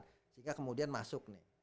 sehingga kemudian masuk nih